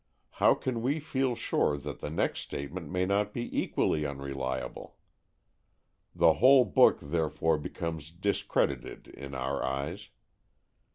How can we feel sure that the next statement may not be equally unreliable? The whole book therefore becomes discredited in our eyes.